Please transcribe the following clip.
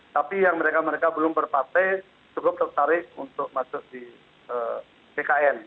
tapi yang mereka mereka belum berpartai cukup tertarik untuk masuk di pkn